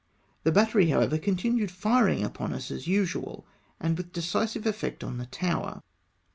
The battery, however, contmued firing upon us as usual, and with decisive effect on the tower.